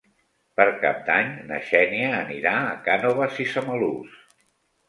Per Cap d'Any na Xènia anirà a Cànoves i Samalús.